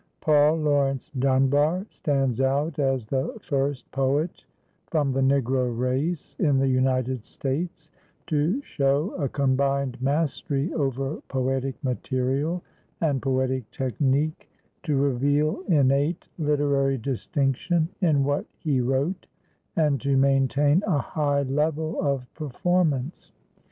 Paul Laurence Dunbar stands out as the first poet from the Negro race in the United States to show a combined mastery over poetic material and poetic technique, to reveal innate literary distinction in what he wrote, and to maintain a high level of performance.